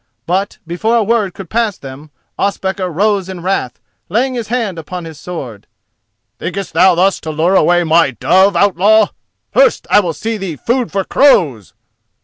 But before a word could pass them Ospakar rose in wrath, laying his hand upon his sword. "Thinkest thou thus to lure away my dove, outlaw? First I will see thee food for crows."